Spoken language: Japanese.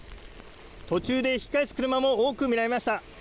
途中で引き返す車も多く見られました。